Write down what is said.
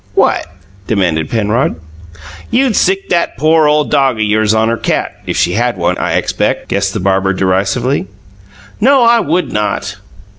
"What?" demanded Penrod. "You'd sick that pore ole dog of yours on her cat, if she had one, I expect," guessed the barber derisively. "No, I would not!"